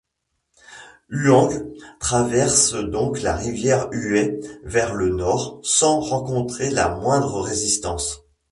Huang traverse donc la rivière Huai vers le nord sans rencontrer la moindre résistance.